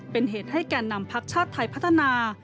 เป็นเหตุให้แก่นำพักชาติไทยพัฒนา